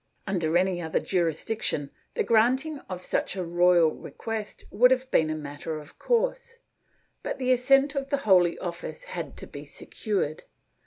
Under any other jurisdiction, the granting of such a royal request would have been a matter of course, but the assent of the Holy Office had to be secured.